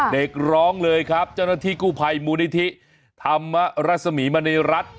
เด็กร้องเลยครับเจ้าหน้าที่กู้ภัยมูลนิธิธรรมรัศมีมณีรัฐ